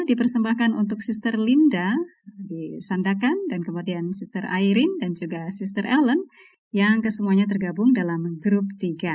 dipersembahkan untuk sister linda di sandakan dan kemudian sister irene dan juga sister ellen yang kesemuanya tergabung dalam grup tiga